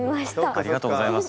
ありがとうございます。